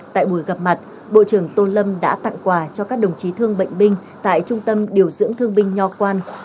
tại buổi gặp mặt bộ trưởng tô lâm đã tặng quà cho các đồng chí thương bệnh binh tại trung tâm điều dưỡng thương binh nho quan